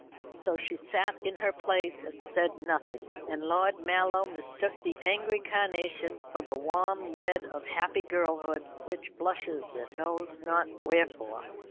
So she sat in her place and said nothing; and Lord Mallow mistook the angry carnation for the warm red of happy girlhood, which blushes it knows not wherefore.